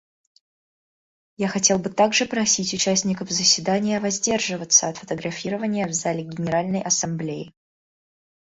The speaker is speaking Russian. Я хотел бы также просить участников заседания воздерживаться от фотографирования в зале Генеральной Ассамблеи.